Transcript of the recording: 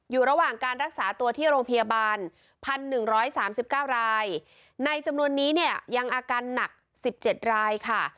อยู่ระหว่างการรักษาตัวที่โรงพยาบาลพันหนึ่งร้อยสามสิบเก้ารายในจำนวนนี้เนี่ยยังอาการหนักสิบเจ็ดรายค่ะ